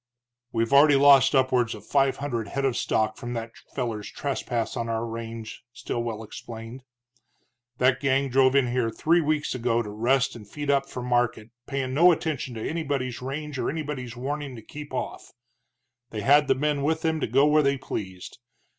"We've already lost upwards of five hundred head of stock from that feller's trespass on our range," Stilwell explained. "That gang drove in here three weeks ago to rest and feed up for market, payin' no attention to anybody's range or anybody's warning to keep off. They had the men with them to go where they pleased.